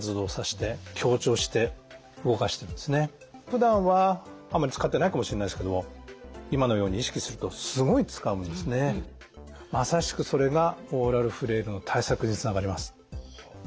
ふだんはあんまり使ってないかもしれないですけども今のようにまさしくそれがオーラルフレイルの対策につながります。